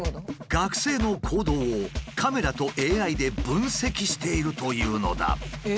学生の行動をカメラとＡＩで分析しているというのだ。